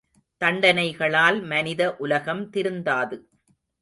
தண்டனைகளால் மனித உலகம் திருந்தாது.